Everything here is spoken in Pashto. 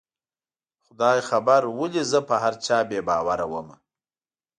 خدای خبر ولې زه په هر چا بې باوره ومه